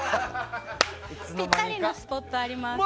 ピッタリなスポットあります。